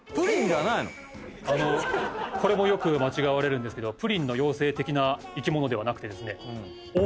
これもよく間違われるんですけどプリンの妖精的な生き物ではなくてですね。